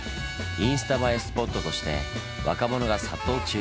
インスタ映えスポットとして若者が殺到中。